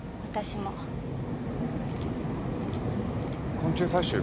昆虫採集。